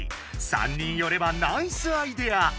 ３人よればナイスアイデア！